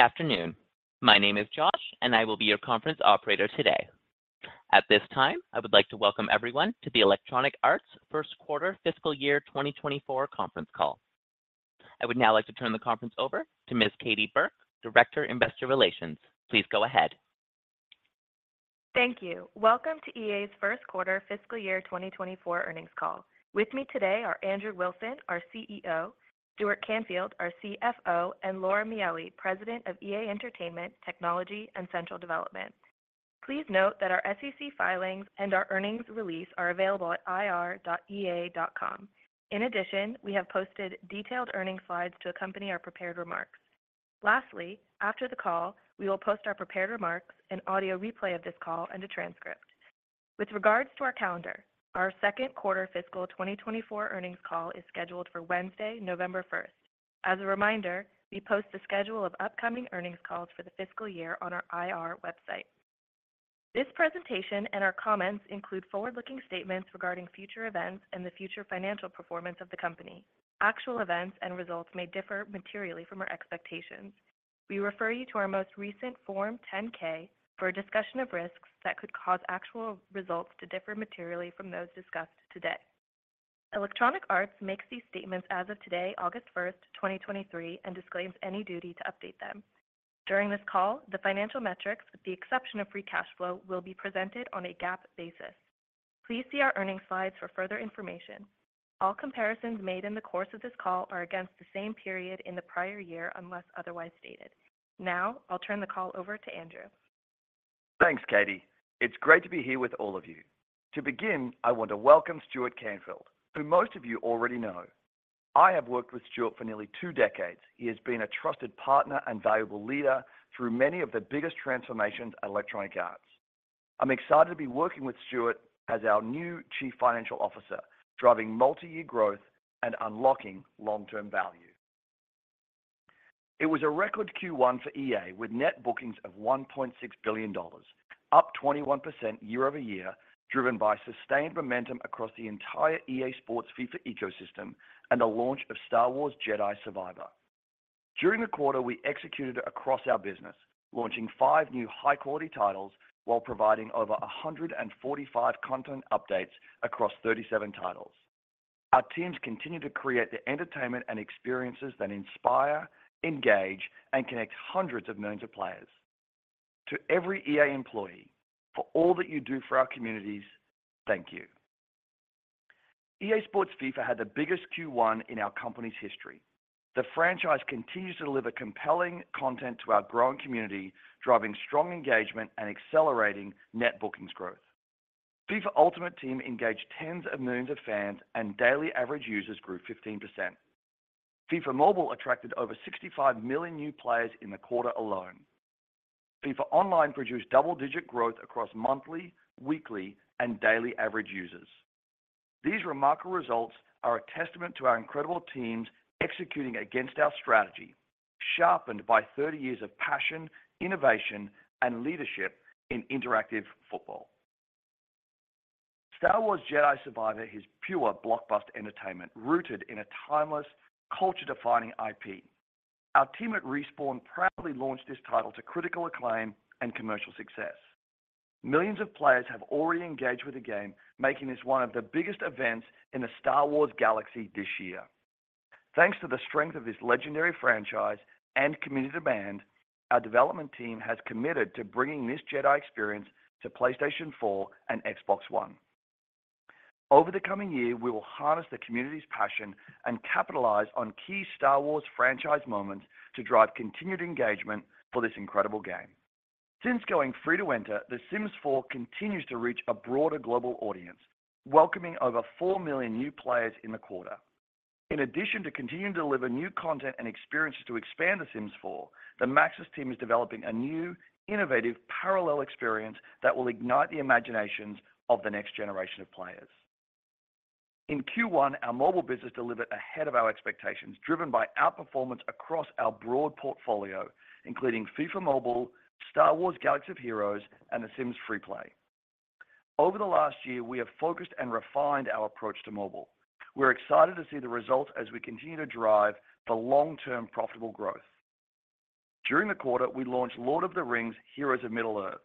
Good afternoon. My name is Josh, I will be your conference operator today. At this time, I would like to welcome everyone to the Electronic Arts Q1 Fiscal Year 2024 conference call. I would now like to turn the conference over to Ms. Katie Burke, Director, Investor Relations. Please go ahead. Thank you. Welcome to EA's Q1 fiscal year 2024 earnings call. With me today are Andrew Wilson, our CEO, Stuart Canfield, our CFO, and Laura Miele, President of EA Entertainment, Technology, and Central Development. Please note that our SEC filings and our earnings release are available at ir.ea.com. In addition, we have posted detailed earnings slides to accompany our prepared remarks. Lastly, after the call, we will post our prepared remarks, an audio replay of this call, and a transcript. With regards to our calendar, our Q2 fiscal 2024 earnings call is scheduled for Wednesday, 1st November. As a reminder, we post the schedule of upcoming earnings calls for the fiscal year on our IR website. This presentation and our comments include forward-looking statements regarding future events and the future financial performance of the company. Actual events and results may differ materially from our expectations. We refer you to our most recent Form 10-K for a discussion of risks that could cause actual results to differ materially from those discussed today. Electronic Arts makes these statements as of today, 1st August, 2023, and disclaims any duty to update them. During this call, the financial metrics, with the exception of free cash flow, will be presented on a GAAP basis. Please see our earnings slides for further information. All comparisons made in the course of this call are against the same period in the prior year, unless otherwise stated. Now, I'll turn the call over to Andrew. Thanks, Katie. It's great to be here with all of you. To begin, I want to welcome Stuart Canfield, who most of you already know. I have worked with Stuart for nearly two decades. He has been a trusted partner and valuable leader through many of the biggest transformations at Electronic Arts. I'm excited to be working with Stuart as our new Chief Financial Officer, driving multi-year growth and unlocking long-term value. It was a record Q1 for EA, with net bookings of $1.6 billion, up 21% year-over-year, driven by sustained momentum across the entire EA Sports FIFA ecosystem and the launch of Star Wars Jedi: Survivor. During the quarter, we executed across our business, launching five new high-quality titles while providing over 145 content updates across 37 titles. Our teams continue to create the entertainment and experiences that inspire, engage, and connect hundreds of millions of players. To every EA employee, for all that you do for our communities, thank you. EA Sports FIFA had the biggest Q1 in our company's history. The franchise continues to deliver compelling content to our growing community, driving strong engagement and accelerating net bookings growth. FIFA Ultimate Team engaged tens of millions of fans, and daily average users grew 15%. FIFA Mobile attracted over 65 million new players in the quarter alone. FIFA Online produced double-digit growth across monthly, weekly, and daily average users. These remarkable results are a testament to our incredible teams executing against our strategy, sharpened by 30 years of passion, innovation, and leadership in interactive football. Star Wars Jedi: Survivor is pure blockbuster entertainment, rooted in a timeless, culture-defining IP. Our team at Respawn proudly launched this title to critical acclaim and commercial success. Millions of players have already engaged with the game, making this one of the biggest events in the Star Wars galaxy this year. Thanks to the strength of this legendary franchise and community demand, our development team has committed to bringing this Jedi experience to PlayStation 4 and Xbox One. Over the coming year, we will harness the community's passion and capitalize on key Star Wars franchise moments to drive continued engagement for this incredible game. Since going free-to-enter, The Sims 4 continues to reach a broader global audience, welcoming over 4 million new players in the quarter. In addition to continuing to deliver new content and experiences to expand The Sims 4, the Maxis team is developing a new, innovative, parallel experience that will ignite the imaginations of the next generation of players. In Q1, our mobile business delivered ahead of our expectations, driven by outperformance across our broad portfolio, including FIFA Mobile, Star Wars: Galaxy of Heroes, and The Sims FreePlay. Over the last year, we have focused and refined our approach to mobile. We're excited to see the results as we continue to drive the long-term profitable growth. During the quarter, we launched Lord of the Rings: Heroes of Middle-earth.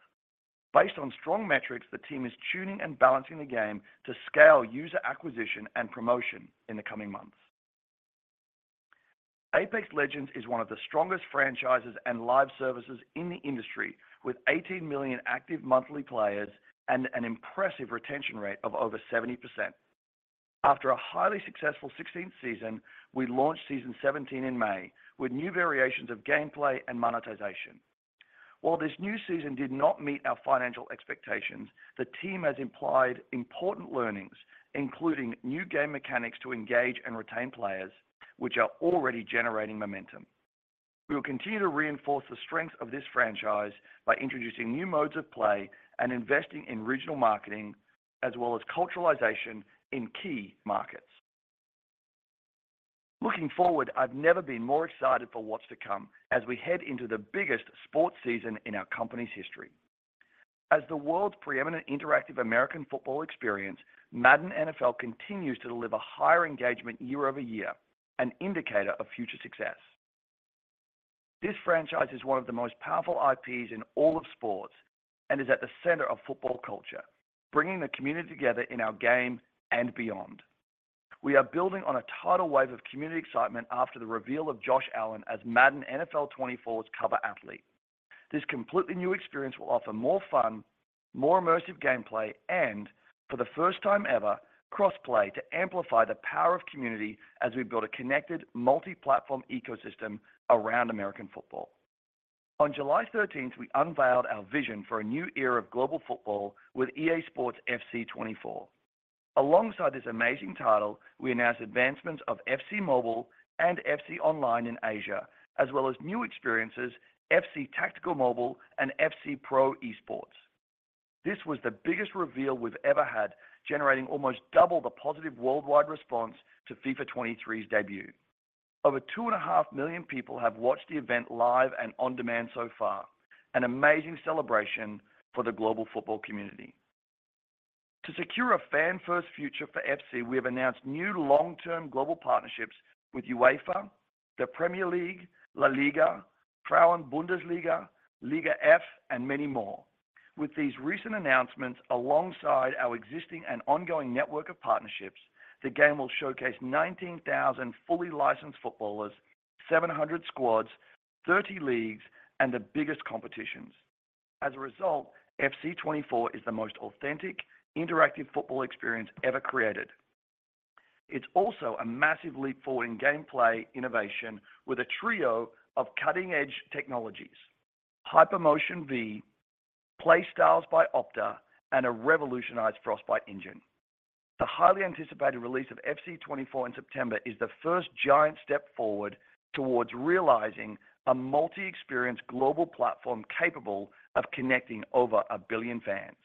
Based on strong metrics, the team is tuning and balancing the game to scale user acquisition and promotion in the coming months. Apex Legends is one of the strongest franchises and live services in the industry, with 18 million active monthly players and an impressive retention rate of over 70%. After a highly successful 16th season, we launched Season 17 in May, with new variations of gameplay and monetization. While this new season did not meet our financial expectations, the team has implied important learnings, including new game mechanics to engage and retain players, which are already generating momentum. We will continue to reinforce the strength of this franchise by introducing new modes of play and investing in regional marketing, as well as culturalization in key markets. Looking forward, I've never been more excited for what's to come as we head into the biggest sports season in our company's history. As the world's preeminent interactive American football experience, Madden NFL continues to deliver higher engagement year-over-year, an indicator of future success. This franchise is one of the most powerful IPs in all of sports, and is at the center of football culture, bringing the community together in our game and beyond. We are building on a tidal wave of community excitement after the reveal of Josh Allen as Madden NFL 24's cover athlete. This completely new experience will offer more fun, more immersive gameplay, and, for the first time ever, cross-play to amplify the power of community as we build a connected, multi-platform ecosystem around American football. On July 13th, we unveiled our vision for a new era of global football with EA Sports FC 24. Alongside this amazing title, we announced advancements of FC Mobile and FC Online in Asia, as well as new experiences, FC Tactical Mobile and FC Pro Esports. This was the biggest reveal we've ever had, generating almost double the positive worldwide response to FIFA 23's debut. Over 2.5 million people have watched the event live and on-demand so far, an amazing celebration for the global football community. To secure a fan-first future for FC, we have announced new long-term global partnerships with UEFA, the Premier League, LaLiga, Frauen-Bundesliga, Liga F, and many more. With these recent announcements, alongside our existing and ongoing network of partnerships, the game will showcase 19,000 fully licensed footballers, 700 squads, 30 leagues, and the biggest competitions. As a result, FC 24 is the most authentic, interactive football experience ever created. It's also a massive leap forward in gameplay innovation, with a trio of cutting-edge technologies: HyperMotionV, PlayStyles by Opta, and a revolutionized Frostbite engine. The highly anticipated release of FC 24 in September is the first giant step forward towards realizing a multi-experience global platform capable of connecting over 1 billion fans.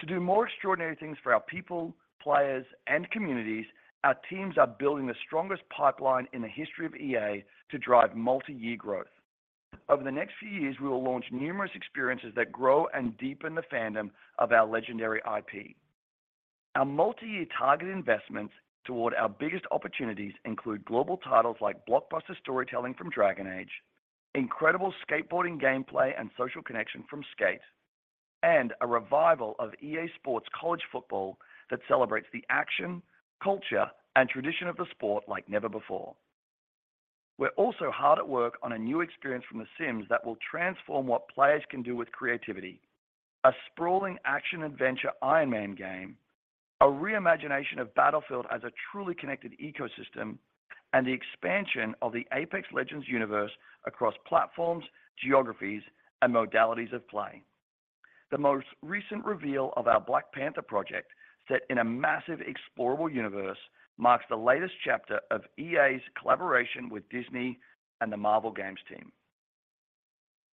To do more extraordinary things for our people, players, and communities, our teams are building the strongest pipeline in the history of EA to drive multi-year growth. Over the next few years, we will launch numerous experiences that grow and deepen the fandom of our legendary IP. Our multi-year target investments toward our biggest opportunities include global titles like blockbuster storytelling from Dragon Age, incredible skateboarding gameplay and social connection from Skate, and a revival of EA Sports College Football that celebrates the action, culture, and tradition of the sport like never before. We're also hard at work on a new experience from The Sims that will transform what players can do with creativity, a sprawling action-adventure Iron Man game, a reimagination of Battlefield as a truly connected ecosystem, and the expansion of the Apex Legends universe across platforms, geographies, and modalities of play. The most recent reveal of our Black Panther project, set in a massive explorable universe, marks the latest chapter of EA's collaboration with Disney and the Marvel Games team.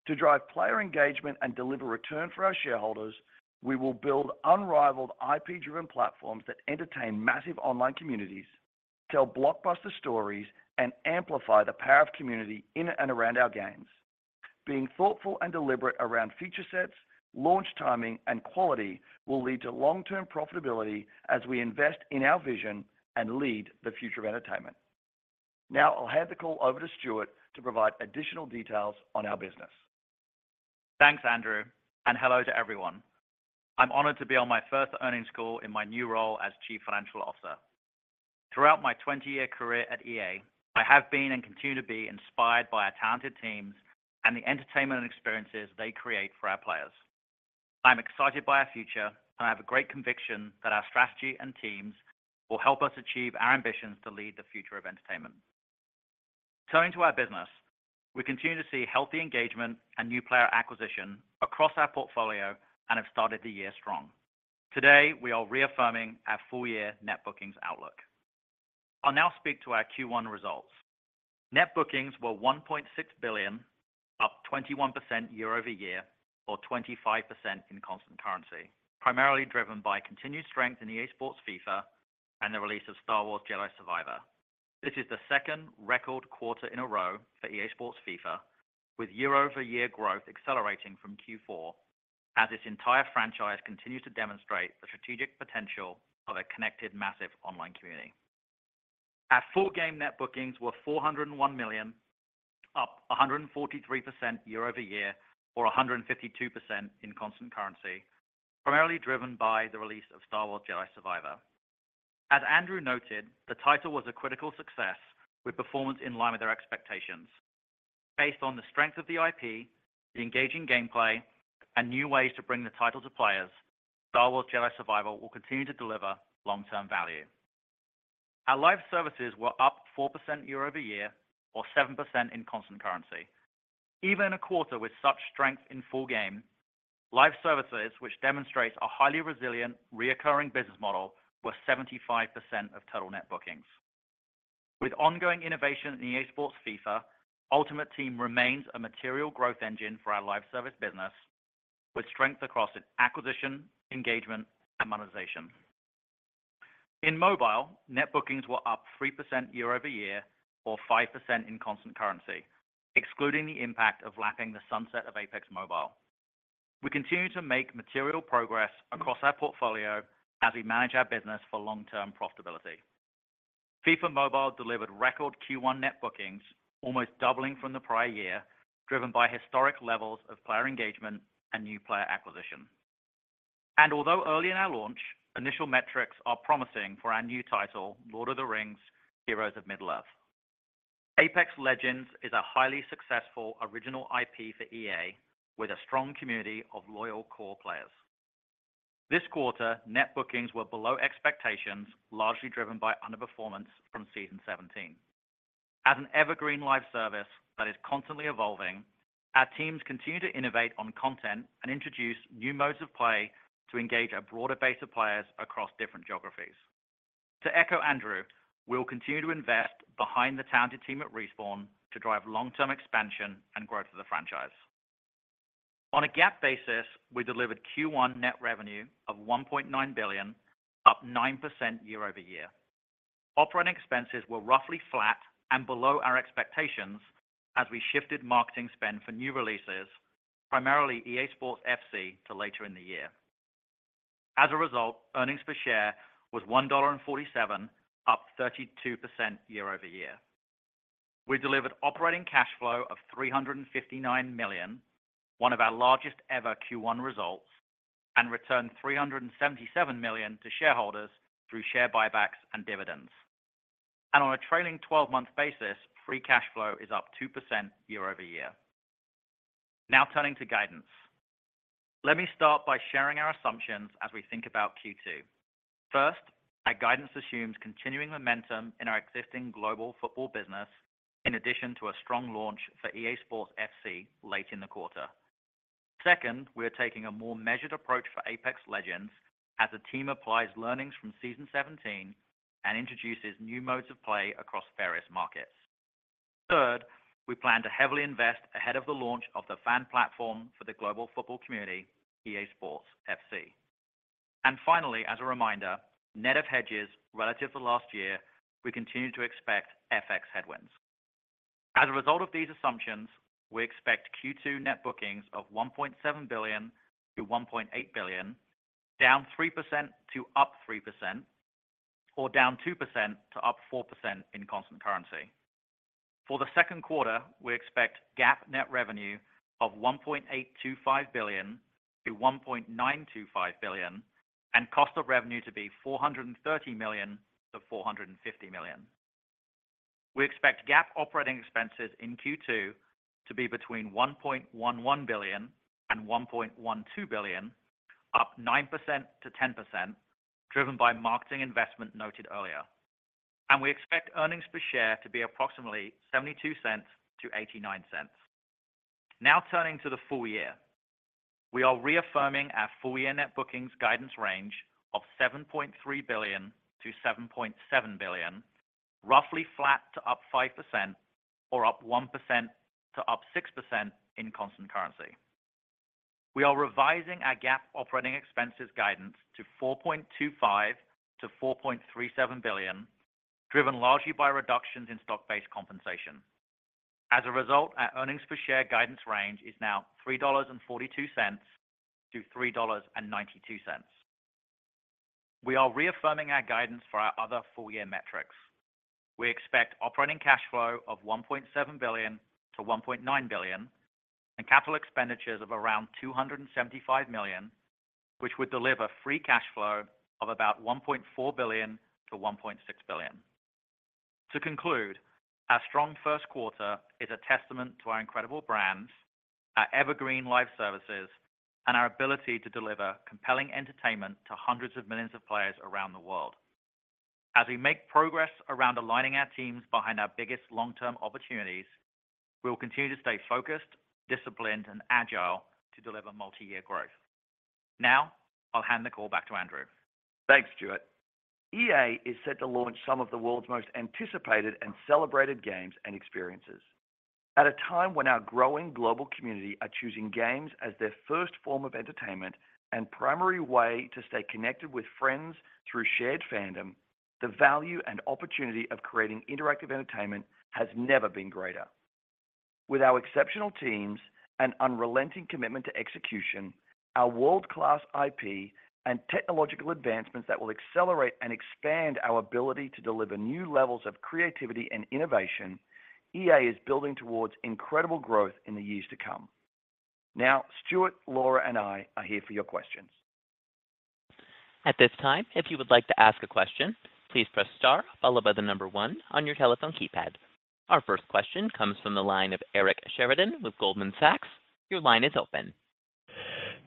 To drive player engagement and deliver return for our shareholders, we will build unrivaled IP-driven platforms that entertain massive online communities, tell blockbuster stories, and amplify the power of community in and around our games. Being thoughtful and deliberate around feature sets, launch timing, and quality will lead to long-term profitability as we invest in our vision and lead the future of entertainment. Now, I'll hand the call over to Stuart to provide additional details on our business. Thanks, Andrew. Hello to everyone. I'm honored to be on my first earnings call in my new role as Chief Financial Officer. Throughout my 20-year career at EA, I have been and continue to be inspired by our talented teams and the entertainment and experiences they create for our players. I'm excited by our future. I have a great conviction that our strategy and teams will help us achieve our ambitions to lead the future of entertainment. Turning to our business, we continue to see healthy engagement and new player acquisition across our portfolio and have started the year strong. Today, we are reaffirming our full-year net bookings outlook. I'll now speak to our Q1 results. Net bookings were $1.6 billion, up 21% year-over-year or 25% in constant currency, primarily driven by continued strength in EA Sports FIFA and the release of Star Wars Jedi: Survivor. This is the second record quarter in a row for EA Sports FIFA, with year-over-year growth accelerating from Q4, as its entire franchise continues to demonstrate the strategic potential of a connected, massive online community. Our full game net bookings were $401 million, up 143% year-over-year, or 152% in constant currency, primarily driven by the release of Star Wars Jedi: Survivor. As Andrew noted, the title was a critical success with performance in line with our expectations. Based on the strength of the IP, the engaging gameplay, and new ways to bring the title to players, Star Wars Jedi: Survivor will continue to deliver long-term value. Our live services were up 4% year-over-year or 7% in constant currency. Even in a quarter with such strength in full game, live services, which demonstrates a highly resilient, reoccurring business model, were 75% of total net bookings. With ongoing innovation in EA Sports FIFA, Ultimate Team remains a material growth engine for our live service business, with strength across its acquisition, engagement, and monetization. In mobile, net bookings were up 3% year-over-year, or 5% in constant currency, excluding the impact of lapping the sunset of Apex Mobile. We continue to make material progress across our portfolio as we manage our business for long-term profitability. FIFA Mobile delivered record Q1 net bookings, almost doubling from the prior year, driven by historic levels of player engagement and new player acquisition. Although early in our launch, initial metrics are promising for our new title, Lord of the Rings: Heroes of Middle-earth. Apex Legends is a highly successful original IP for EA, with a strong community of loyal core players. This quarter, net bookings were below expectations, largely driven by underperformance from Season 17. As an evergreen live service that is constantly evolving, our teams continue to innovate on content and introduce new modes of play to engage a broader base of players across different geographies. To echo Andrew, we will continue to invest behind the talented team at Respawn to drive long-term expansion and growth of the franchise. On a GAAP basis, we delivered Q1 net revenue of $1.9 billion, up 9% year-over-year. Operating expenses were roughly flat and below our expectations as we shifted marketing spend for new releases, primarily EA Sports FC, to later in the year. As a result, earnings per share was $1.47, up 32% year-over-year. We delivered operating cash flow of $359 million, one of our largest ever Q1 results, and returned $377 million to shareholders through share buybacks and dividends. On a trailing 12-month basis, free cash flow is up 2% year-over-year. Now turning to guidance. Let me start by sharing our assumptions as we think about Q2. First, our guidance assumes continuing momentum in our existing global football business, in addition to a strong launch for EA Sports FC late in the quarter. Second, we are taking a more measured approach for Apex Legends as the team applies learnings from Season 17 and introduces new modes of play across various markets. Third, we plan to heavily invest ahead of the launch of the fan platform for the global football community, EA Sports FC. Finally, as a reminder, net of hedges relative to last year, we continue to expect FX headwinds. As a result of these assumptions, we expect Q2 net bookings of $1.7 billion-$1.8 billion, down 3% to up 3%, or down 2% to up 4% in constant currency. For the Q2, we expect GAAP net revenue of $1.825 billion-$1.925 billion, and cost of revenue to be $430 million-$450 million. We expect GAAP operating expenses in Q2 to be between $1.11 billion and $1.12 billion, up 9%-10%, driven by marketing investment noted earlier. We expect earnings per share to be approximately $0.72-$0.89. Now turning to the full year. We are reaffirming our full-year net bookings guidance range of $7.3 billion-$7.7 billion, roughly flat to up 5% or up 1%-6% in constant currency. We are revising our GAAP operating expenses guidance to $4.25 billion-$4.37 billion, driven largely by reductions in stock-based compensation. As a result, our earnings per share guidance range is now $3.42-$3.92. We are reaffirming our guidance for our other full-year metrics. We expect operating cash flow of $1.7 billion-$1.9 billion and capital expenditures of around $275 million, which would deliver free cash flow of about $1.4 billion-$1.6 billion. To conclude, our strong Q1 is a testament to our incredible brands, our evergreen live services, and our ability to deliver compelling entertainment to hundreds of millions of players around the world. As we make progress around aligning our teams behind our biggest long-term opportunities, we will continue to stay focused, disciplined, and agile to deliver multi-year growth. Now, I'll hand the call back to Andrew. Thanks, Stuart. EA is set to launch some of the world's most anticipated and celebrated games and experiences. At a time when our growing global community are choosing games as their first form of entertainment and primary way to stay connected with friends through shared fandom, the value and opportunity of creating interactive entertainment has never been greater. With our exceptional teams and unrelenting commitment to execution, our world-class IP and technological advancements that will accelerate and expand our ability to deliver new levels of creativity and innovation, EA is building towards incredible growth in the years to come. Now, Stuart, Laura, and I are here for your questions. At this time, if you would like to ask a question, please press star followed by the number one on your telephone keypad. Our first question comes from the line of Eric Sheridan with Goldman Sachs. Your line is open.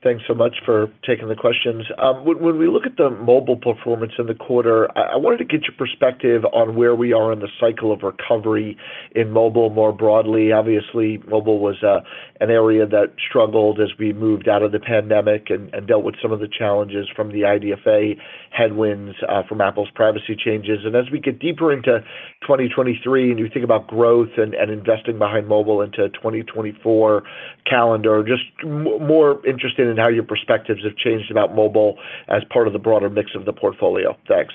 Thanks so much for taking the questions. When we look at the mobile performance in the quarter, I wanted to get your perspective on where we are in the cycle of recovery in mobile more broadly. Obviously, mobile was an area that struggled as we moved out of the pandemic and dealt with some of the challenges from the IDFA headwinds from Apple's privacy changes. As we get deeper into 2023, and you think about growth and investing behind mobile into 2024 calendar, just more interested in how your perspectives have changed about mobile as part of the broader mix of the portfolio. Thanks.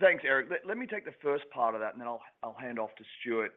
Thanks, Eric. Let, let me take the first part of that, and then I'll, I'll hand off to Stuart.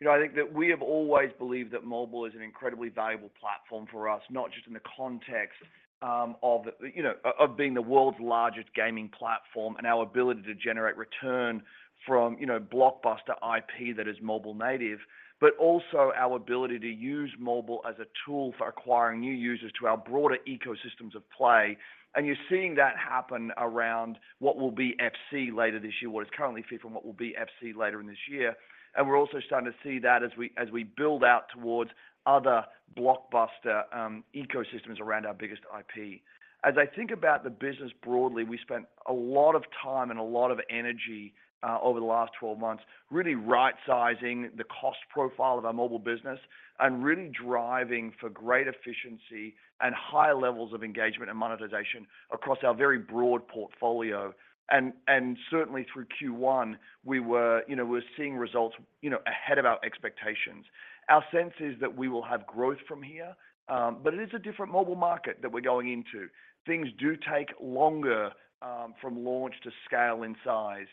You know, I think that we have always believed that mobile is an incredibly valuable platform for us, not just in the context, of the, you know, of, of being the world's largest gaming platform and our ability to generate return from, you know, blockbuster IP that is mobile native, but also our ability to use mobile as a tool for acquiring new users to our broader ecosystems of play. You're seeing that happen around what will be FC later this year, what is currently FIFA, and what will be FC later in this year. We're also starting to see that as we, as we build out towards other blockbuster ecosystems around our biggest IP. As I think about the business broadly, we spent a lot of time and a lot of energy, over the last 12 months, really right-sizing the cost profile of our mobile business and really driving for great efficiency and high levels of engagement and monetization across our very broad portfolio. Certainly, through Q1, we were, you know, we're seeing results, you know, ahead of our expectations. Our sense is that we will have growth from here, but it is a different mobile market that we're going into. Things do take longer, from launch to scale in size.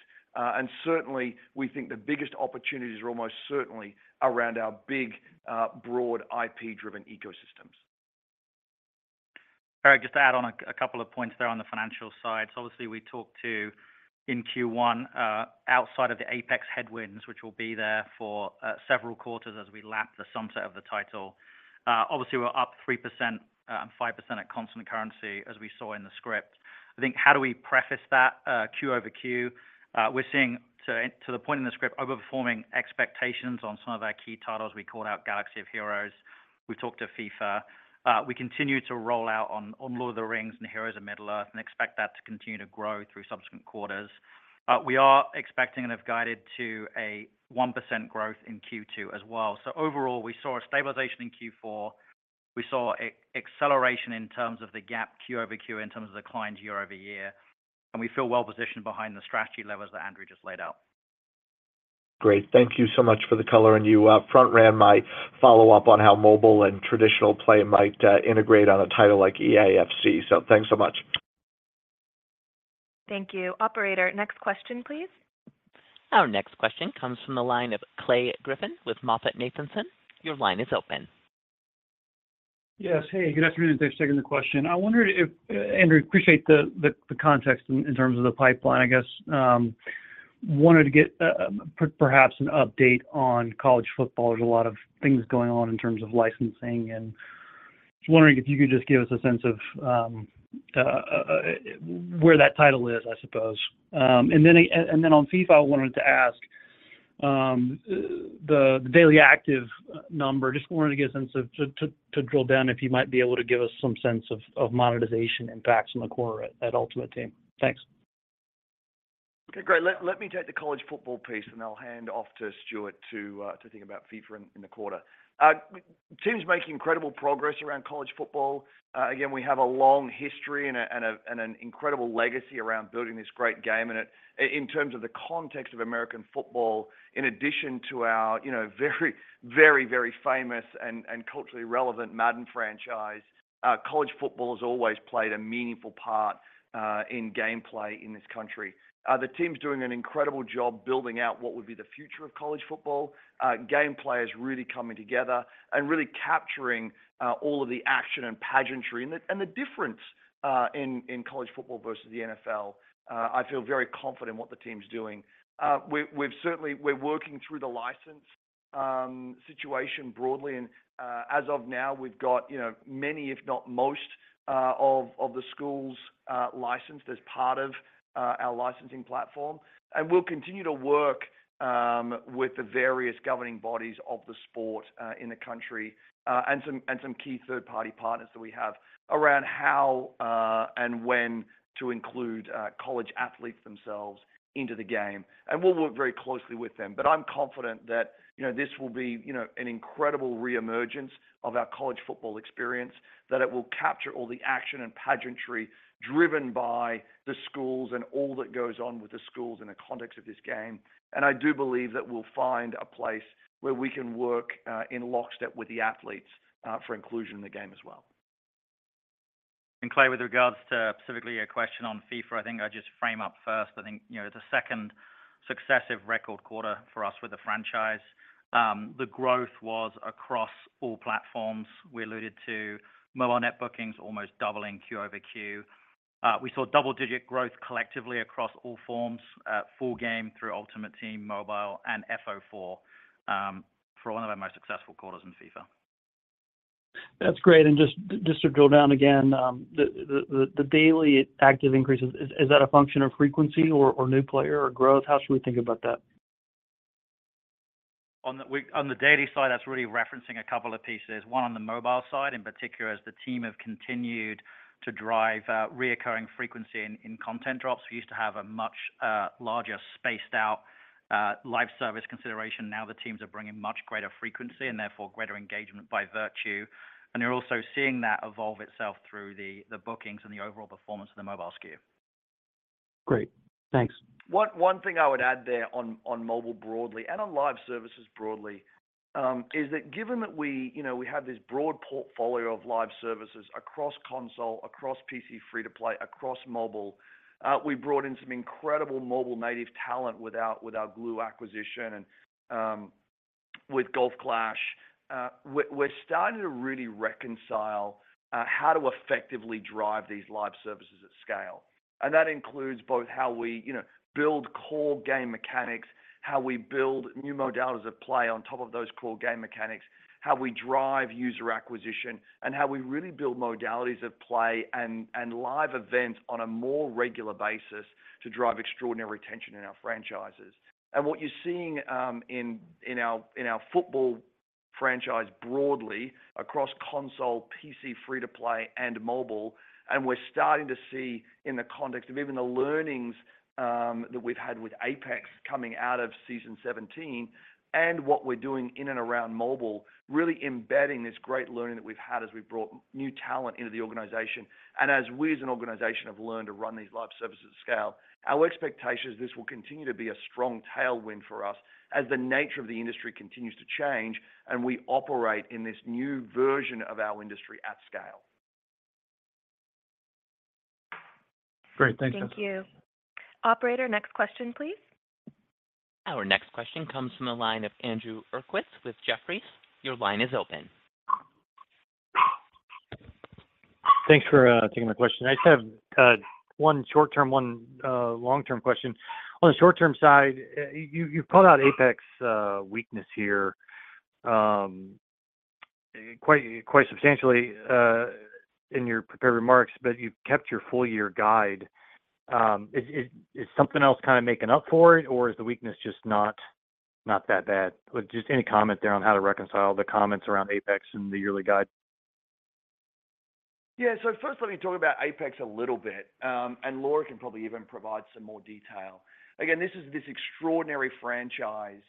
Certainly, we think the biggest opportunities are almost certainly around our big, broad IP-driven ecosystems. Eric, just to add on a couple of points there on the financial side. Obviously, we talked to in Q1, outside of the Apex headwinds, which will be there for several quarters as we lap the sunset of the title. Obviously, we're up 3%, and 5% at constant currency, as we saw in the script. I think how do we preface that Q over Q? We're seeing, to the point in the script, overperforming expectations on some of our key titles. We called out Galaxy of Heroes. We talked of FIFA. We continue to roll out on Lord of the Rings and the Heroes of Middle-earth, and expect that to continue to grow through subsequent quarters. We are expecting and have guided to a 1% growth in Q2 as well. Overall, we saw a stabilization in Q4. We saw a acceleration in terms of the GAAP Q over Q, in terms of the decline year-over-year, and we feel well positioned behind the strategy levers that Andrew just laid out. Great. Thank you so much for the color, and you, front ran my follow-up on how mobile and traditional play might, integrate on a title like EA FC. Thanks so much. Thank you. Operator, next question, please. Our next question comes from the line of Clay Griffin with MoffettNathanson. Your line is open. Yes. Hey, good afternoon. Thanks for taking the question. I wondered if, Andrew, appreciate the context in terms of the pipeline, I guess. Wanted to get perhaps an update on College Football. There's a lot of things going on in terms of licensing, and just wondering if you could just give us a sense of where that title is, I suppose. Then on FIFA, I wanted to ask the daily active number. Just wanted to get a sense of, to drill down, if you might be able to give us some sense of monetization impacts on the core at Ultimate Team. Thanks. Okay, great. Let, let me take the college football piece, and I'll hand off to Stuart to think about FIFA in the quarter. The team's making incredible progress around college football. Again, we have a long history and an incredible legacy around building this great game. In terms of the context of American football, in addition to our, you know, very, very, very famous and culturally relevant Madden franchise, college football has always played a meaningful part in gameplay in this country. The team's doing an incredible job building out what would be the future of college football. Gameplay is really coming together and really capturing all of the action and pageantry and the difference in college football versus the NFL. I feel very confident in what the team's doing. We're working through the license situation broadly, and as of now, we've got, you know, many, if not most, of, of the schools licensed as part of our licensing platform. We'll continue to work with the various governing bodies of the sport in the country, and some, and some key third-party partners that we have around how and when to include college athletes themselves into the game, and we'll work very closely with them. I'm confident that, you know, this will be, you know, an incredible reemergence of our college football experience, that it will capture all the action and pageantry driven by the schools and all that goes on with the schools in the context of this game. I do believe that we'll find a place where we can work in lockstep with the athletes for inclusion in the game as well. Clay, with regards to specifically your question on EA Sports FIFA, I think I just frame up first. I think, you know, the second successive record quarter for us with the franchise, the growth was across all platforms. We alluded to FIFA Mobile net bookings almost doubling Q over Q. We saw double-digit growth collectively across all forms, full game through Ultimate Team, FIFA Mobile, and FO4, for one of our most successful quarters in EA Sports FIFA. That's great, and just, just to drill down again, the daily active increases, is that a function of frequency or, or new player or growth? How should we think about that? On the daily side, that's really referencing a couple of pieces. One, on the mobile side, in particular, as the team have continued to drive, recurring frequency in content drops. We used to have a much larger spaced out live service consideration. Now, the teams are bringing much greater frequency and therefore greater engagement by virtue, and you're also seeing that evolve itself through the bookings and the overall performance of the mobile SKU. Great, thanks. One, one thing I would add there on, on mobile broadly and on live services broadly, is that given that we, you know, we have this broad portfolio of live services across console, across PC free-to-play, across mobile, we brought in some incredible mobile native talent with our, with our Glu acquisition and, with Golf Clash. We're, we're starting to really reconcile, how to effectively drive these live services at scale. That includes both how we, you know, build core game mechanics, how we build new modalities of play on top of those core game mechanics, how we drive user acquisition, and how we really build modalities of play and, and live events on a more regular basis to drive extraordinary retention in our franchises. What you're seeing in our football franchise broadly across console, PC, free-to-play, and mobile, and we're starting to see in the context of even the learnings that we've had with Apex coming out of Season 17 and what we're doing in and around mobile, really embedding this great learning that we've had as we've brought new talent into the organization. As we, as an organization, have learned to run these live services at scale, our expectation is this will continue to be a strong tailwind for us as the nature of the industry continues to change, and we operate in this new version of our industry at scale. Great. Thank you. Thank you. Operator, next question, please. Our next question comes from the line of Andrew Uerkwitz with Jefferies. Your line is open. Thanks for taking my question. I just have one short-term, one long-term question. On the short-term side, you, you called out Apex weakness here, quite, quite substantially, in your prepared remarks, but you've kept your full year guide. Is something else kind of making up for it, or is the weakness just not, not that bad? Well, just any comment there on how to reconcile the comments around Apex and the yearly guide? Yeah. First, let me talk about Apex a little bit, and Laura can probably even provide some more detail. Again, this is this extraordinary franchise,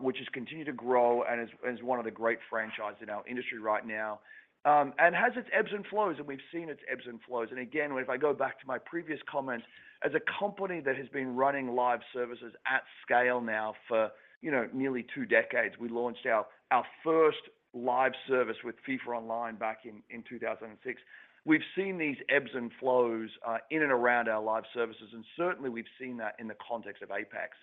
which has continued to grow and is, is one of the great franchises in our industry right now. Has its ebbs and flows, and we've seen its ebbs and flows. Again, if I go back to my previous comments, as a company that has been running live services at scale now for, you know, nearly two decades, we launched our, our first live service with FIFA Online back in, in 2006. We've seen these ebbs and flows, in and around our live services, and certainly we've seen that in the context of Apex.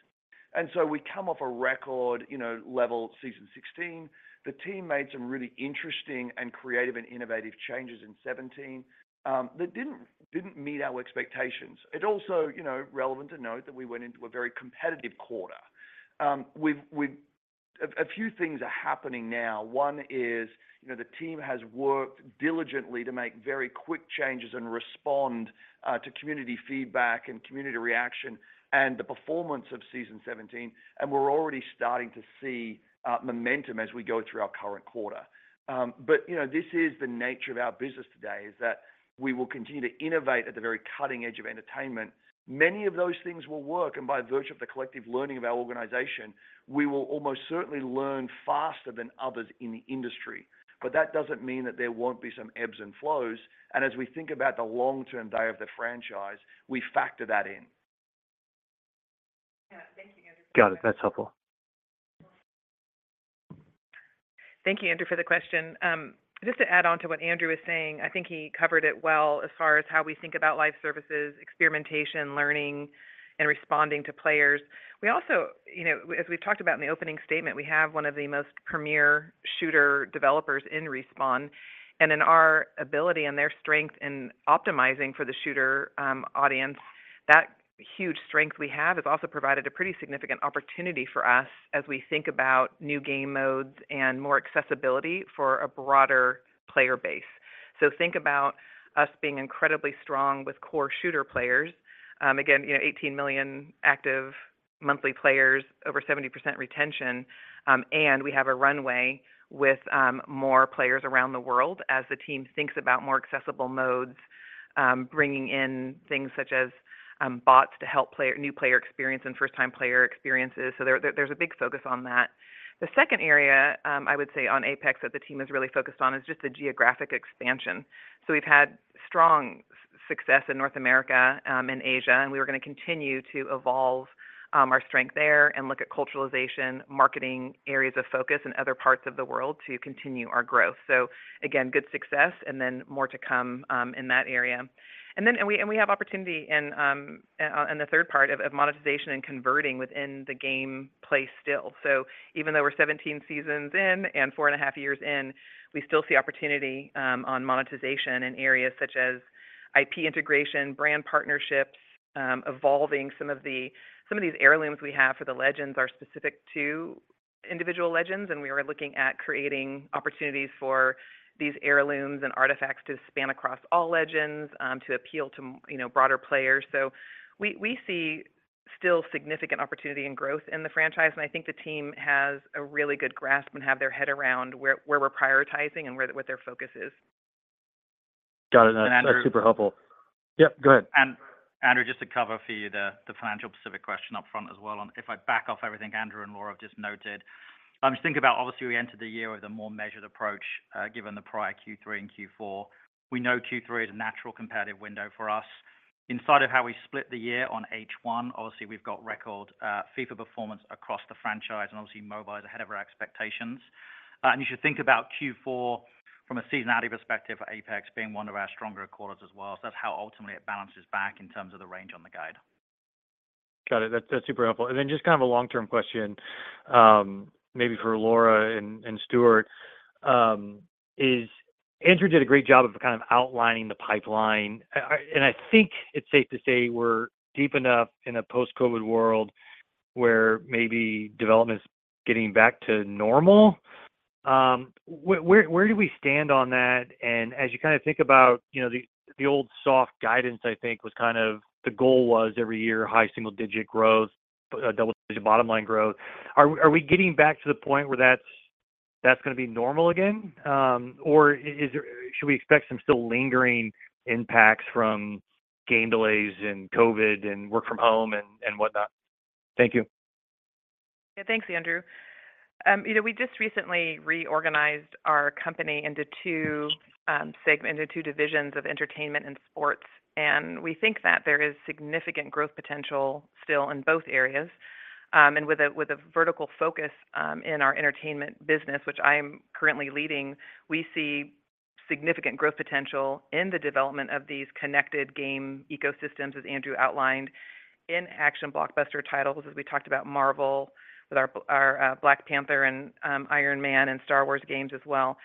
We come off a record, you know, level Season 16. The team made some really interesting and creative and innovative changes in 17 that didn't, didn't meet our expectations. Also, you know, relevant to note that we went into a very competitive quarter. A few things are happening now. One is, you know, the team has worked diligently to make very quick changes and respond to community feedback and community reaction and the performance of Season 17, and we're already starting to see momentum as we go through our current quarter. You know, this is the nature of our business today, is that we will continue to innovate at the very cutting edge of entertainment. Many of those things will work, and by virtue of the collective learning of our organization, we will almost certainly learn faster than others in the industry. That doesn't mean that there won't be some ebbs and flows, and as we think about the long-term value of the franchise, we factor that in. Yeah. Thank you, Andrew. Got it. That's helpful. Thank you, Andrew, for the question. Just to add on to what Andrew is saying, I think he covered it well as far as how we think about live services, experimentation, learning, and responding to players. We also, you know, as we talked about in the opening statement, we have one of the most premier shooter developers in Respawn, and in our ability and their strength in optimizing for the shooter audience, that huge strength we have has also provided a pretty significant opportunity for us as we think about new game modes and more accessibility for a broader player base. Think about us being incredibly strong with core shooter players. Again, you know, 18 million active monthly players, over 70% retention, and we have a runway with more players around the world as the team thinks about more accessible modes, bringing in things such as bots to help player, new player experience and first-time player experiences. There, there's a big focus on that. The second area, I would say on Apex that the team is really focused on is just the geographic expansion. We've had strong success in North America and Asia, and we are going to continue to evolve our strength there and look at culturalization, marketing areas of focus in other parts of the world to continue our growth. Again, good success, and then more to come in that area. We, we have opportunity in the third part of monetization and converting within the game play still. Even though we're 17 seasons in and 4.5 years in, we still see opportunity on monetization in areas such as IP integration, brand partnerships, evolving some of these heirlooms we have for the Legends are specific to individual Legends, and we are looking at creating opportunities for these heirlooms and artifacts to span across all Legends, you know, to appeal to broader players. We, we see still significant opportunity and growth in the franchise, and I think the team has a really good grasp and have their head around where, where we're prioritizing and where, what their focus is. Got it. That's, that's super helpful. Andrew. Yep, go ahead. Andrew, just to cover for you the, the financial specific question up front as well. If I back off everything Andrew and Laura have just noted, just think about, obviously, we entered the year with a more measured approach, given the prior Q3 and Q4. We know Q3 is a natural competitive window for us. Inside of how we split the year on H1, obviously, we've got record, FIFA performance across the franchise, and obviously, mobile is ahead of our expectations. You should think about Q4 from a seasonality perspective, Apex being one of our stronger quarters as well. That's how ultimately it balances back in terms of the range on the guide. Got it. That's, that's super helpful. Then just kind of a long-term question, maybe for Laura and Stuart, is Andrew did a great job of kind of outlining the pipeline. I think it's safe to say we're deep enough in a post-COVID world where maybe development's getting back to normal. Where, where, where do we stand on that? As you kind of think about, you know, the, the old soft guidance, I think was kind of the goal was every year, high single-digit growth, double-digit bottom line growth. Are, are we getting back to the point where that's, that's gonna be normal again? Or should we expect some still lingering impacts from game delays and COVID, and work from home, and, and whatnot? Thank you. Yeah, thanks, Andrew. You know, we just recently reorganized our company into two, into two divisions of entertainment and sports. We think that there is significant growth potential still in both areas. With a, with a vertical focus, in our entertainment business, which I'm currently leading, we see significant growth potential in the development of these connected game ecosystems, as Andrew outlined, in action blockbuster titles, as we talked about Marvel with our p- our Black Panther and Iron Man and Star Wars games as well.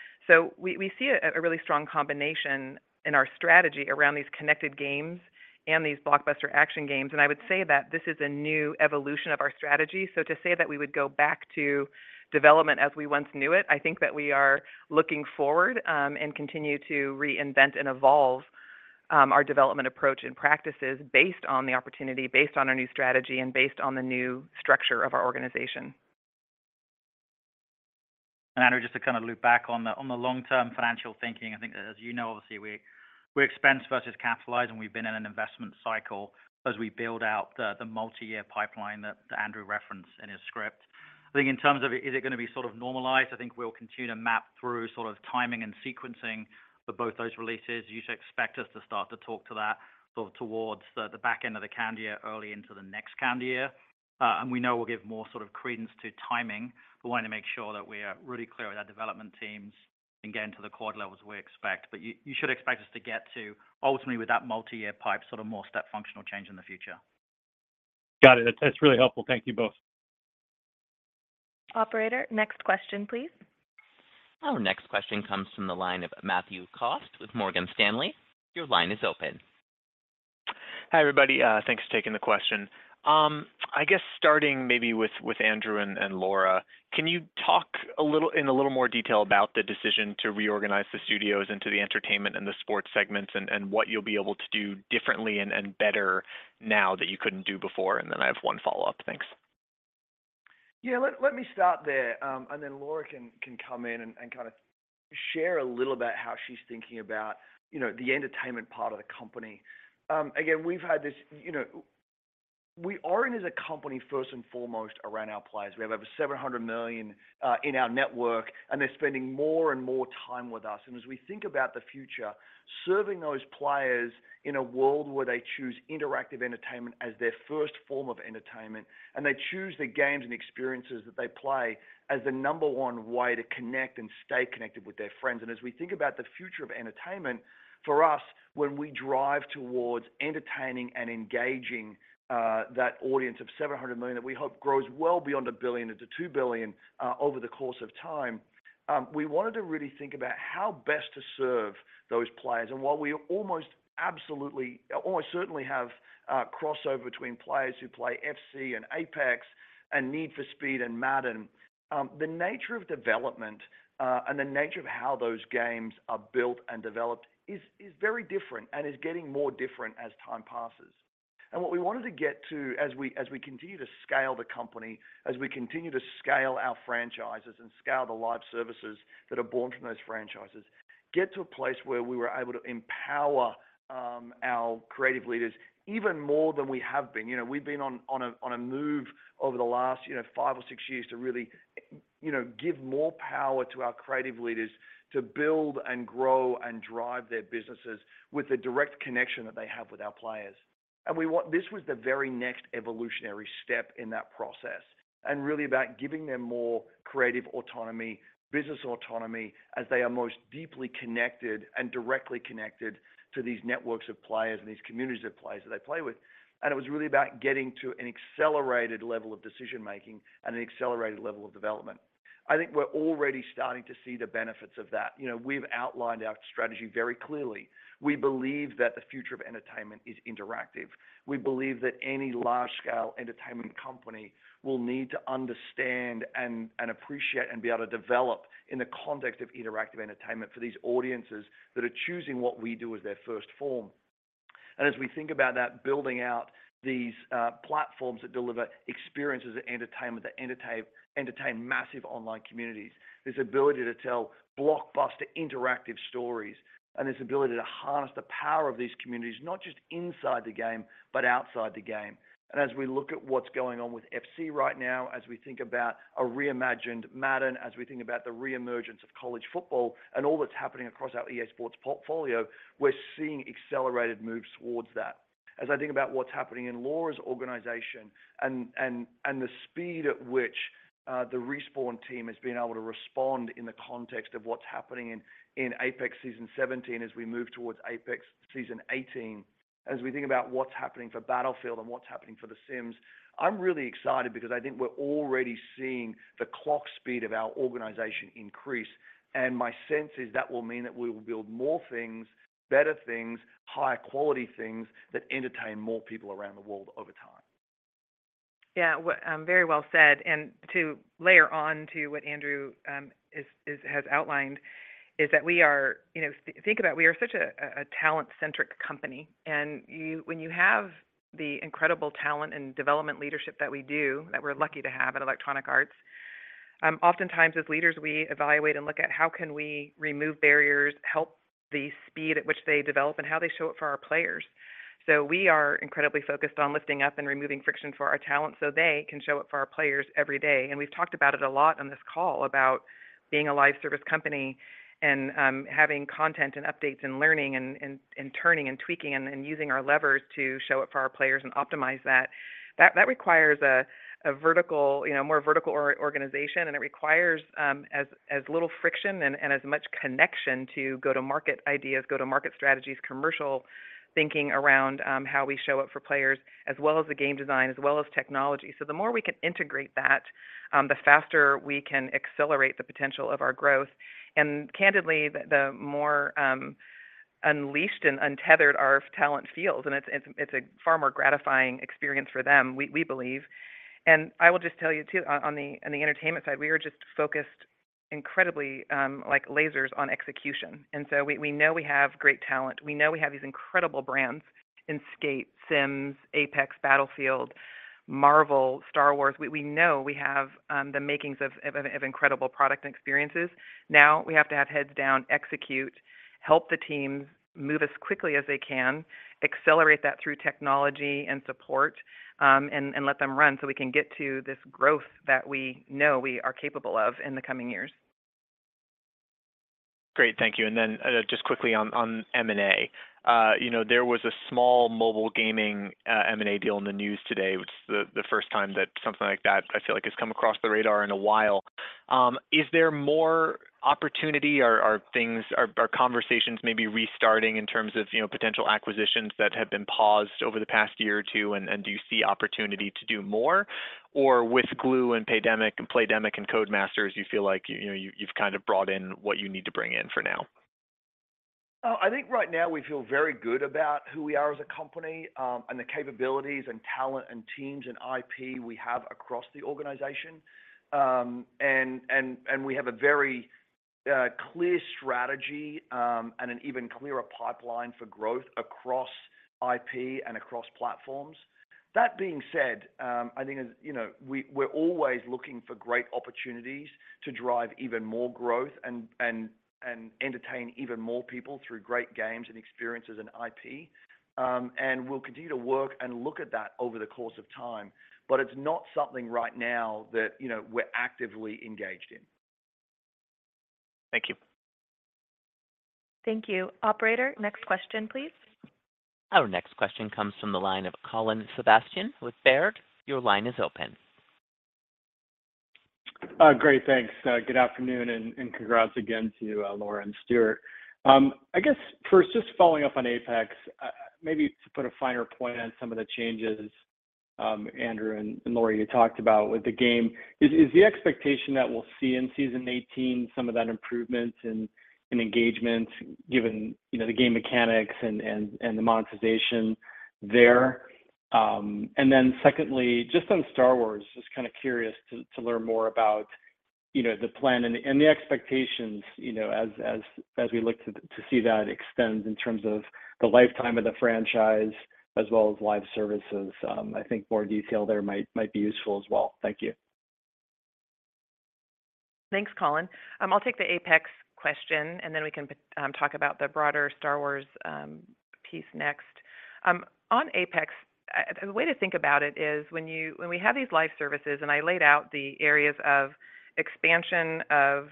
We, we see a, a really strong combination in our strategy around these connected games and these blockbuster action games. I would say that this is a new evolution of our strategy. To say that we would go back to development as we once knew it, I think that we are looking forward, and continue to reinvent and evolve, our development approach and practices based on the opportunity, based on our new strategy, and based on the new structure of our organization. Andrew, just to kind of loop back on the, on the long-term financial thinking, I think as you know, obviously, we, we expense versus capitalize, and we've been in an investment cycle as we build out the, the multi-year pipeline that, that Andrew referenced in his script. I think in terms of, is it gonna be sort of normalized? I think we'll continue to map through sort of timing and sequencing for both those releases. You should expect us to start to talk to that sort of towards the, the back end of the calendar year, early into the next calendar year. And we know we'll give more sort of credence to timing. We want to make sure that we are really clear with our development teams in getting to the quad levels we expect. You, you should expect us to get to, ultimately, with that multi-year pipe, sort of more step functional change in the future. Got it. That's, that's really helpful. Thank you both. Operator, next question, please. Our next question comes from the line of Matthew Cost with Morgan Stanley. Your line is open. Hi, everybody, thanks for taking the question. I guess starting maybe with, with Andrew and, and Laura, can you talk in a little more detail about the decision to reorganize the studios into the entertainment and the sports segments, and, and what you'll be able to do differently and, and better now that you couldn't do before? Then I have one follow-up. Thanks. Yeah, let, let me start there, then Laura can come in and kind of share a little about how she's thinking about, you know, the entertainment part of the company. Again, we've had this, you know, we are in as a company, first and foremost, around our players. We have over 700 million in our network, and they're spending more and more time with us. As we think about the future, serving those players in a world where they choose interactive entertainment as their first form of entertainment, and they choose the games and experiences that they play as the number one way to connect and stay connected with their friends. As we think about the future of entertainment, for us, when we drive towards entertaining and engaging, that audience of 700 million, that we hope grows well beyond one billion into two billion over the course of time, we wanted to really think about how best to serve those players. While we almost absolutely, almost certainly have a crossover between players who play EA Sports FC and Apex Legends and Need for Speed and Madden, the nature of development, and the nature of how those games are built and developed is, is very different and is getting more different as time passes. What we wanted to get to as we, as we continue to scale the company, as we continue to scale our franchises and scale the live services that are born from those franchises, get to a place where we were able to empower our creative leaders even more than we have been. You know, we've been on, on a, on a move over the last, you know, five or six years to really, you know, give more power to our creative leaders to build and grow and drive their businesses with the direct connection that they have with our players. This was the very next evolutionary step in that process, and really about giving them more creative autonomy, business autonomy, as they are most deeply connected and directly connected to these networks of players and these communities of players that they play with. It was really about getting to an accelerated level of decision making and an accelerated level of development. I think we're already starting to see the benefits of that. You know, we've outlined our strategy very clearly. We believe that the future of entertainment is interactive. We believe that any large-scale entertainment company will need to understand and, and appreciate, and be able to develop in the context of interactive entertainment for these audiences that are choosing what we do as their first form. As we think about that, building out these platforms that deliver experiences of entertainment, that entertain, entertain massive online communities, this ability to tell blockbuster interactive stories, and this ability to harness the power of these communities, not just inside the game, but outside the game. As we look at what's going on with FC right now, as we think about a reimagined Madden, as we think about the reemergence of College Football and all that's happening across our EA Sports portfolio, we're seeing accelerated moves towards that. As I think about what's happening in Laura's organization and the speed at which the Respawn team has been able to respond in the context of what's happening in Apex Season 17 as we move towards Apex Season 18, as we think about what's happening for Battlefield and what's happening for The Sims, I'm really excited because I think we're already seeing the clock speed of our organization increase. My sense is that will mean that we will build more things, better things, higher quality things that entertain more people around the world over time. Very well said, and to layer on to what Andrew is, is-- has outlined, is that we are, you know, th- think about it, we are such a, a talent-centric company, and you-- when you have the incredible talent and development leadership that we do, that we're lucky to have at Electronic Arts, oftentimes, as leaders, we evaluate and look at how can we remove barriers, help the speed at which they develop, and how they show it for our players. We are incredibly focused on lifting up and removing friction for our talent, so they can show up for our players every day. We've talked about it a lot on this call about being a live service company and having content and updates and learning and turning and tweaking and using our levers to show it for our players and optimize that. That requires a vertical, you know, more vertical organization, and it requires as little friction and as much connection to go-to-market ideas, go-to-market strategies, commercial thinking around how we show up for players, as well as the game design, as well as technology. The more we can integrate that, the faster we can accelerate the potential of our growth. Candidly, the more unleashed and untethered our talent feels, and it's a far more gratifying experience for them, we believe. I will just tell you, too, on, on the, on the entertainment side, we are just focused incredibly, like lasers on execution. We, we know we have great talent. We know we have these incredible brands in Skate, Sims, Apex, Battlefield, Marvel, Star Wars. We, we know we have the makings of, of, of incredible product and experiences. Now, we have to have heads down, execute, help the teams move as quickly as they can, accelerate that through technology and support, and, and let them run, so we can get to this growth that we know we are capable of in the coming years. Great. Thank you. Then, just quickly on, on M&A. you know, there was a small mobile gaming M&A deal in the news today, which is the, the first time that something like that, I feel like, has come across the radar in a while. Is there more opportunity or are conversations maybe restarting in terms of, you know, potential acquisitions that have been paused over the past year or two? Do you see opportunity to do more? With Glu and Playdemic and Codemasters, you feel like, you know, you've kind of brought in what you need to bring in for now? I think right now we feel very good about who we are as a company, and the capabilities and talent and teams and IP we have across the organization. We have a very clear strategy, and an even clearer pipeline for growth across IP and across platforms. That being said, I think as you know, we're always looking for great opportunities to drive even more growth and entertain even more people through great games and experiences in IP. We'll continue to work and look at that over the course of time, but it's not something right now that, you know, we're actively engaged in. Thank you. Thank you. Operator, next question, please. Our next question comes from the line of Colin Sebastian with Baird. Your line is open. Great. Thanks, good afternoon and, and congrats again to Laura and Stuart. I guess first, just following up on Apex, maybe to put a finer point on some of the changes, Andrew and, and Laura, you talked about with the game. Is, is the expectation that we'll see in Season 18 some of that improvement in, in engagement, given, you know, the game mechanics and, and, and the monetization there? Then secondly, just on Star Wars, just kind of curious to, to learn more about, you know, the plan and the, and the expectations, you know, as, as, as we look to, to see that extend in terms of the lifetime of the franchise as well as live services. I think more detail there might, might be useful as well. Thank you. Thanks, Colin. I'll take the Apex question, and then we can talk about the broader Star Wars piece next. On Apex, the way to think about it is when we have these live services, and I laid out the areas of expansion of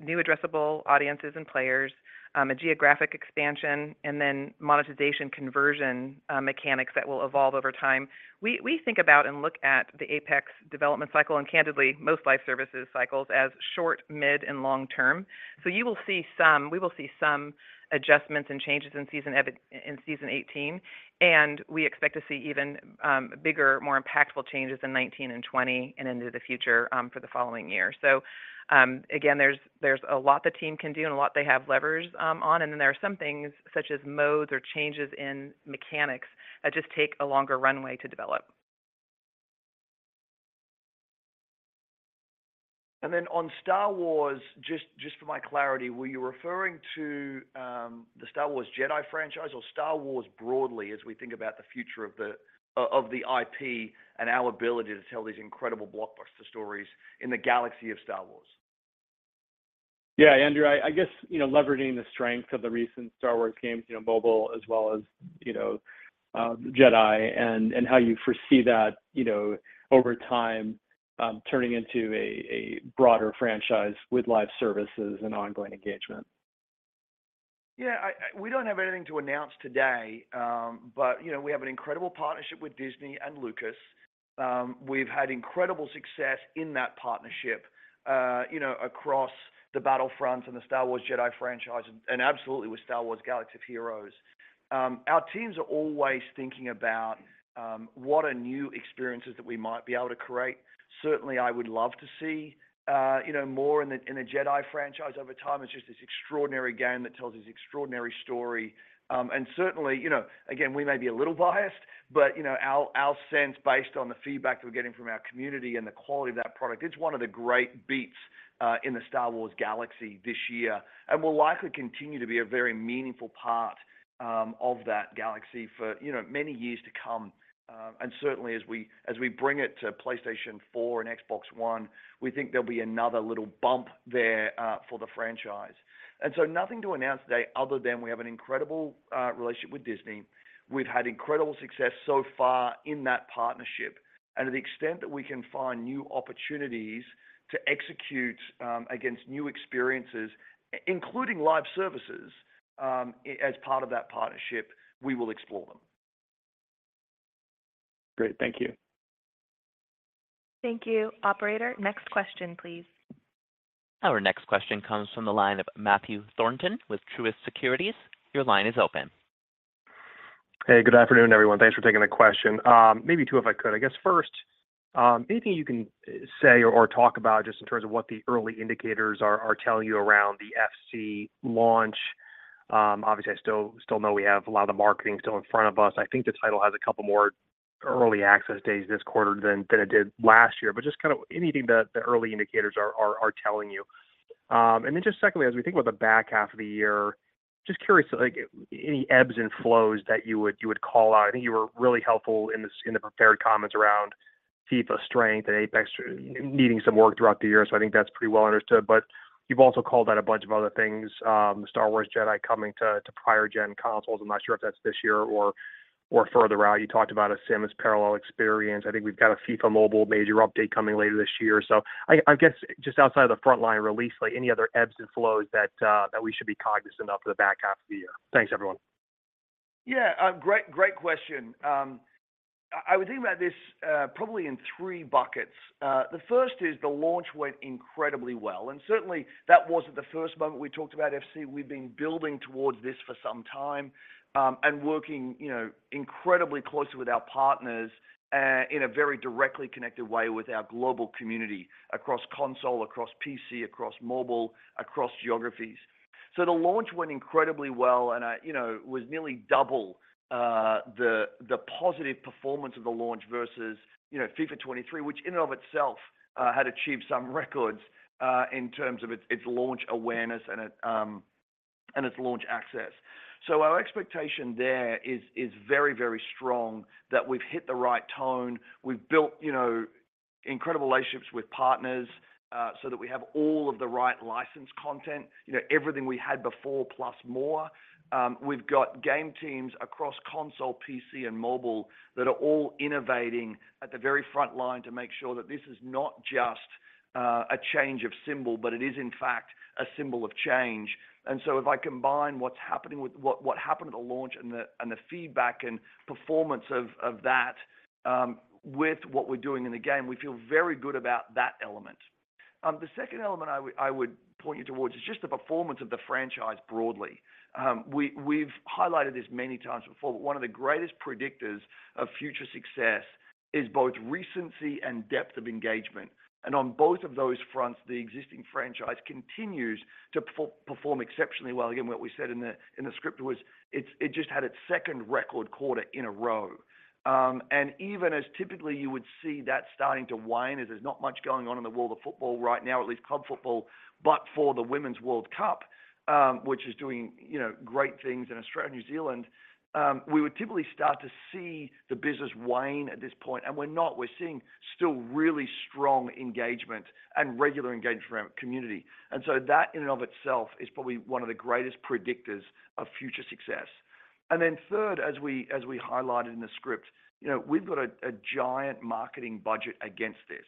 new addressable audiences and players, a geographic expansion, and then monetization conversion, mechanics that will evolve over time. We, we think about and look at the Apex development cycle, and candidly, most live services cycles as short, mid, and long term. You will see we will see adjustments and changes in Season 18, and we expect to see even bigger, more impactful changes in 19 and 20 and into the future, for the following year. Again, there's, there's a lot the team can do and a lot they have levers, on, and then there are some things, such as modes or changes in mechanics, that just take a longer runway to develop. Then on Star Wars, just, just for my clarity, were you referring to the Star Wars Jedi franchise or Star Wars broadly as we think about the future of the IP and our ability to tell these incredible blockbuster stories in the galaxy of Star Wars? Yeah, Andrew, I, I guess, you know, leveraging the strength of the recent Star Wars games, you know, mobile as well as, you know, Jedi and, and how you foresee that, you know, over time, turning into a, a broader franchise with live services and ongoing engagement. Yeah, I, we don't have anything to announce today, you know, we have an incredible partnership with Disney and Lucas. We've had incredible success in that partnership, you know, across the Battlefronts and the Star Wars Jedi franchise, and absolutely with Star Wars Galaxy of Heroes. Our teams are always thinking about, what are new experiences that we might be able to create. Certainly, I would love to see, you know, more in the, in the Jedi franchise over time. It's just this extraordinary game that tells this extraordinary story. Certainly, you know, again, we may be a little biased, but, you know, our, our sense, based on the feedback that we're getting from our community and the quality of that product, it's one of the great beats in the Star Wars galaxy this year, and will likely continue to be a very meaningful part of that galaxy for, you know, many years to come. Certainly, as we, as we bring it to PlayStation 4 and Xbox One, we think there'll be another little bump there for the franchise. Nothing to announce today other than we have an incredible relationship with Disney. We've had incredible success so far in that partnership, and to the extent that we can find new opportunities to execute, against new experiences, including live services, as part of that partnership, we will explore them. Great. Thank you. Thank you. Operator, next question, please. Our next question comes from the line of Matthew Thornton with Truist Securities. Your line is open. Hey, good afternoon, everyone. Thanks for taking the question. Maybe two, if I could. I guess, first, anything you can say or talk about just in terms of what the early indicators are telling you around the FC launch? Obviously, I still, still know we have a lot of the marketing still in front of us. I think the title has a couple more early access days this quarter than it did last year, but just kind of anything that the early indicators are telling you. Then just secondly, as we think about the back half of the year, just curious, like, any ebbs and flows that you would call out? I think you were really helpful in the in the prepared comments around FIFA's strength and Apex needing some work throughout the year, so I think that's pretty well understood. You've also called out a bunch of other things, Star Wars Jedi coming to, to prior-gen consoles. I'm not sure if that's this year or, or further out. You talked about a Sims parallel experience. I think we've got a FIFA Mobile major update coming later this year. I guess, just outside of the frontline release, like any other ebbs and flows that we should be cognizant of for the back half of the year. Thanks, everyone. Yeah, great, great question. I, I would think about this, probably in three buckets. The first is the launch went incredibly well, and certainly, that wasn't the first moment we talked about FC. We've been building towards this for some time, and working, you know, incredibly closely with our partners, in a very directly connected way with our global community across console, across PC, across mobile, across geographies. The launch went incredibly well, and, you know, was nearly double the, the positive performance of the launch versus, you know, FIFA 23, which in and of itself, had achieved some records in terms of its, its launch awareness and its, and its launch access. Our expectation there is, is very, very strong that we've hit the right tone. We've built, you know, incredible relationships with partners, so that we have all of the right licensed content, you know, everything we had before, plus more. We've got game teams across console, PC, and mobile that are all innovating at the very front line to make sure that this is not just a change of symbol, but it is, in fact, a symbol of change. If I combine what's happening with what happened at the launch and the, and the feedback and performance of, of that, with what we're doing in the game, we feel very good about that element. The second element I would, I would point you towards is just the performance of the franchise broadly. We, we've highlighted this many times before, but one of the greatest predictors of future success is both recency and depth of engagement, and on both of those fronts, the existing franchise continues to perform exceptionally well. Again, what we said in the, in the script was it just had its 2nd record quarter in a row. Even as typically you would see that starting to wane, as there's not much going on in the world of football right now, at least club football, but for the Women's World Cup, which is doing, you know, great things in Australia and New Zealand, we would typically start to see the business wane at this point, and we're not. We're seeing still really strong engagement and regular engagement from our community. That, in and of itself, is probably one of the greatest predictors of future success. Third, as we highlighted in the script, you know, we've got a giant marketing budget against this.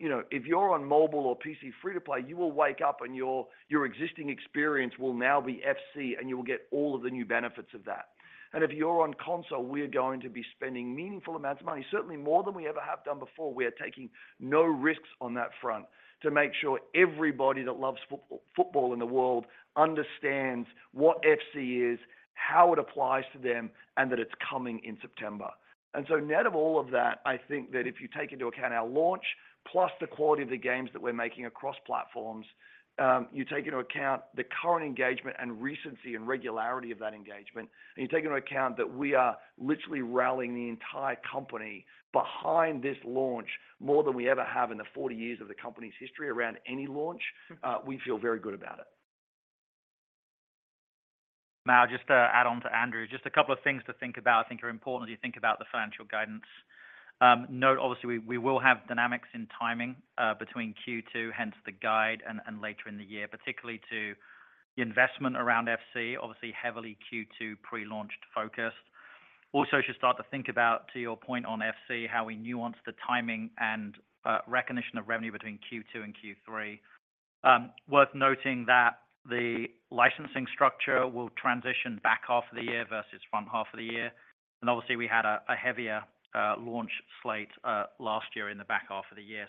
You know, if you're on mobile or PC free-to-play, you will wake up, and your existing experience will now be FC, and you will get all of the new benefits of that. If you're on console, we are going to be spending meaningful amounts of money, certainly more than we ever have done before. We are taking no risks on that front to make sure everybody that loves football in the world understands what FC is, how it applies to them, and that it's coming in September. So net of all of that, I think that if you take into account our launch, plus the quality of the games that we're making across platforms, you take into account the current engagement and recency and regularity of that engagement, and you take into account that we are literally rallying the entire company behind this launch, more than we ever have in the 40 years of the company's history around any launch, we feel very good about it. Now, just to add on to Andrew, just a couple of things to think about I think are important as you think about the financial guidance. Note, obviously, we, we will have dynamics in timing between Q2, hence the guide, and later in the year, particularly to the investment around FC, obviously heavily Q2 pre-launch focused. Should start to think about, to your point on FC, how we nuance the timing and recognition of revenue between Q2 and Q3. Worth noting that the licensing structure will transition back half of the year versus front half of the year. Obviously, we had a heavier launch slate last year in the back half of the year.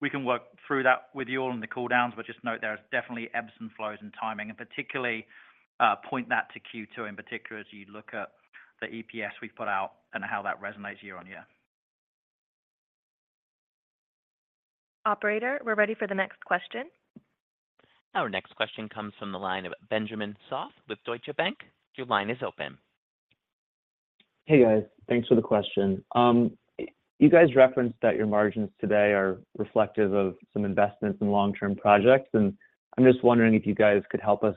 We can work through that with you all in the cool downs, but just note there is definitely ebbs and flows in timing, and particularly, point that to Q2 in particular, as you look at the EPS we've put out and how that resonates year-on-year. Operator, we're ready for the next question. Our next question comes from the line of Benjamin Soff with Deutsche Bank. Your line is open. Hey, guys. Thanks for the question. You guys referenced that your margins today are reflective of some investments in long-term projects, and I'm just wondering if you guys could help us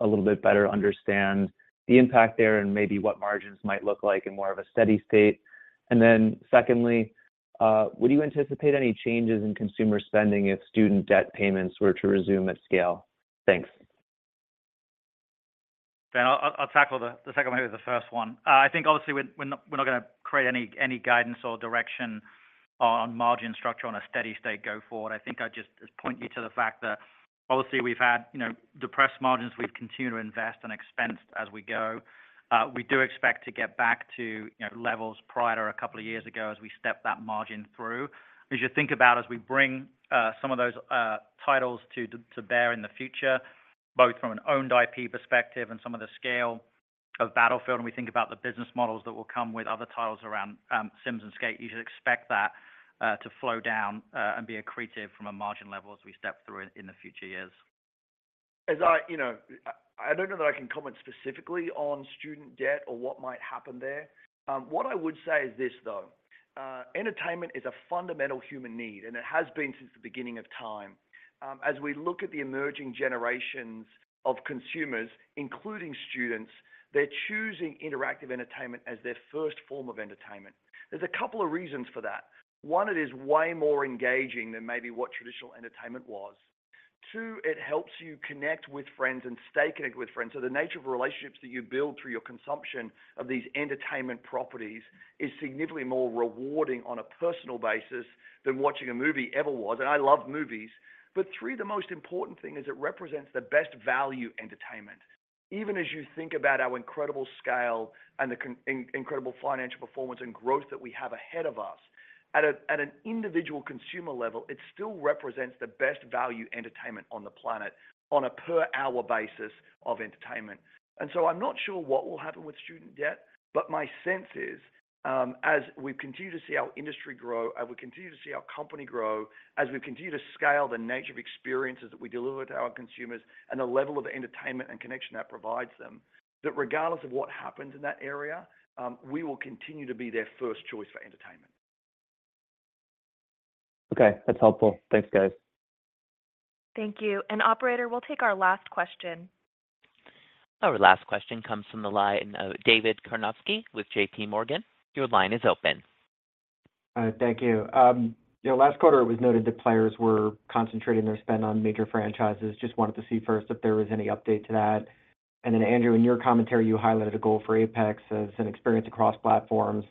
a little bit better understand the impact there and maybe what margins might look like in more of a steady state. Secondly, would you anticipate any changes in consumer spending if student debt payments were to resume at scale? Thanks. Ben, I'll, I'll tackle the, the second maybe the first one. I think obviously, we're, we're not, we're not gonna create any, any guidance or direction on margin structure on a steady state go forward. I think I'd just point you to the fact that obviously, we've had, you know, depressed margins. We've continued to invest and expensed as we go. We do expect to get back to, you know, levels prior to a couple of years ago as we step that margin through. As you think about as we bring, some of those, titles to, to bear in the future, both from an owned IP perspective and some of the scale of Battlefield, and we think about the business models that will come with other titles around, Sims and Skate, you should expect that, to flow down, and be accretive from a margin level as we step through in, in the future years. As I, you know, I, I don't know that I can comment specifically on student debt or what might happen there. What I would say is this, though, entertainment is a fundamental human need, and it has been since the beginning of time. As we look at the emerging generations of consumers, including students, they're choosing interactive entertainment as their first form of entertainment. There's a couple of reasons for that. One, it is way more engaging than maybe what traditional entertainment was. Two, it helps you connect with friends and stay connected with friends. The nature of relationships that you build through your consumption of these entertainment properties is significantly more rewarding on a personal basis than watching a movie ever was, and I love movies. Three, the most important thing is it represents the best value entertainment. Even as you think about our incredible scale and the incredible financial performance and growth that we have ahead of us, at an individual consumer level, it still represents the best value entertainment on the planet on a per-hour basis of entertainment. So I'm not sure what will happen with student debt, but my sense is, as we continue to see our industry grow, as we continue to see our company grow, as we continue to scale the nature of experiences that we deliver to our consumers and the level of entertainment and connection that provides them, that regardless of what happens in that area, we will continue to be their first choice for entertainment. Okay, that's helpful. Thanks, guys. Thank you. Operator, we'll take our last question. Our last question comes from the line of David Karnovsky with JPMorgan. Your line is open. Thank you. You know, last quarter, it was noted that players were concentrating their spend on major franchises. Just wanted to see first if there was any update to that. Then, Andrew, in your commentary, you highlighted a goal for Apex as an experience across platforms.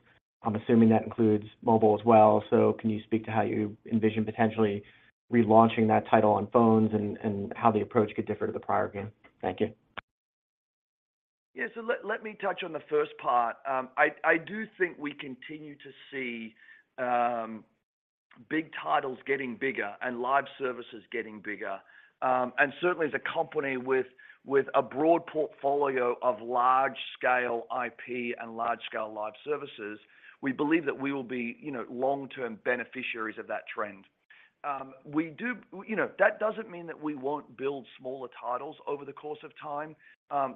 I'm assuming that includes mobile as well. Can you speak to how you envision potentially relaunching that title on phones and how the approach could differ to the prior game? Thank you. Yeah, so let, let me touch on the first part. I, I do think we continue to see big titles getting bigger and live services getting bigger. Certainly, as a company with, with a broad portfolio of large-scale IP and large-scale live services, we believe that we will be, you know, long-term beneficiaries of that trend. We do... You know, that doesn't mean that we won't build smaller titles over the course of time.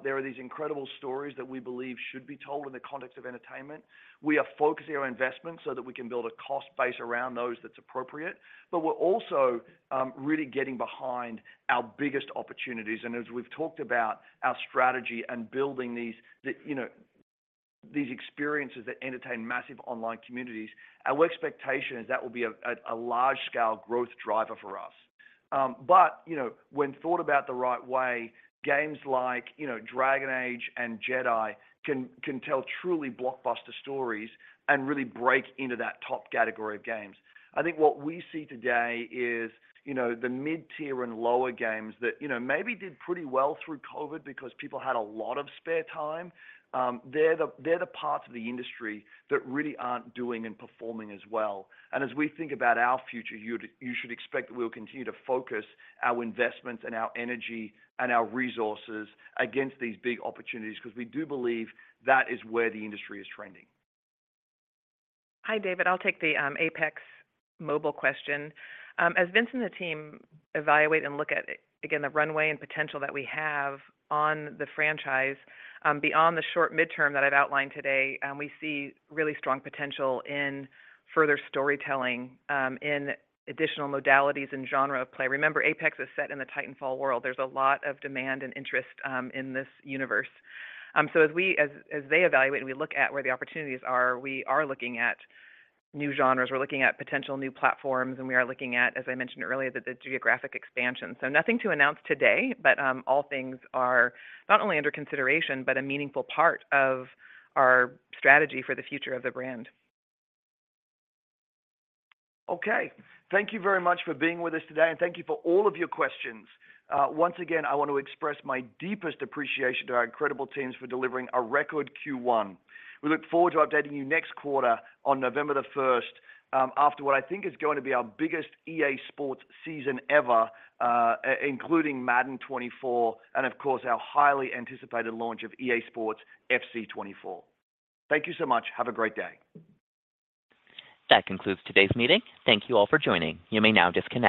There are these incredible stories that we believe should be told in the context of entertainment. We are focusing our investments so that we can build a cost base around those that's appropriate, but we're also really getting behind our biggest opportunities. As we've talked about our strategy and building these, the, you know, these experiences that entertain massive online communities, our expectation is that will be a, a, a large-scale growth driver for us. When thought about the right way, games like, you know, Dragon Age and Jedi can, can tell truly blockbuster stories and really break into that top category of games. I think what we see today is, you know, the mid-tier and lower games that, you know, maybe did pretty well through COVID because people had a lot of spare time. They're the, they're the parts of the industry that really aren't doing and performing as well. As we think about our future, you'd, you should expect that we'll continue to focus our investment and our energy and our resources against these big opportunities, because we do believe that is where the industry is trending. Hi, David. I'll take the Apex mobile question. As Vince and the team evaluate and look at, again, the runway and potential that we have on the franchise, beyond the short midterm that I've outlined today, we see really strong potential in further storytelling, in additional modalities and genre of play. Remember, Apex is set in the Titanfall world. There's a lot of demand and interest in this universe. As they evaluate, and we look at where the opportunities are, we are looking at new genres, we're looking at potential new platforms, and we are looking at, as I mentioned earlier, the geographic expansion. Nothing to announce today, but all things are not only under consideration, but a meaningful part of our strategy for the future of the brand. Okay. Thank you very much for being with us today, and thank you for all of your questions. Once again, I want to express my deepest appreciation to our incredible teams for delivering a record Q1. We look forward to updating you next quarter on 1st November, after what I think is going to be our biggest EA Sports season ever, including Madden 24, and of course, our highly anticipated launch of EA Sports FC 24. Thank you so much. Have a great day. That concludes today's meeting. Thank you all for joining. You may now disconnect.